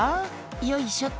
よいしょっと」